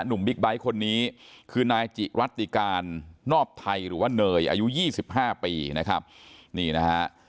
บิ๊กไบท์คนนี้คือนายจิรัติการนอบไทยหรือว่าเนยอายุ๒๕ปีนะครับนี่นะฮะ